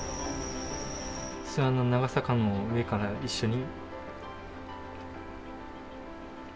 諏訪の長坂の上から、一緒に。